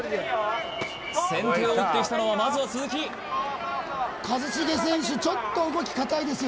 先手を打ってきたのはまずは鈴木一茂選手ちょっと動き硬いですよ